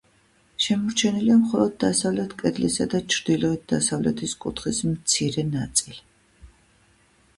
შემორჩენილია მხოლოდ დასავლეთ კედლისა და ჩრდილოეთ-დასავლეთის კუთხის მცირე ნაწილი.